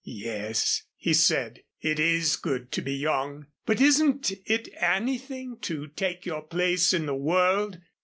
"Yes," he said. "It is good to be young. But isn't it anything to take your place in the world?